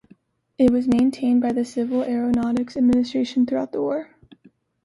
It was maintained by the Civil Aeronautics Administration throughout the war.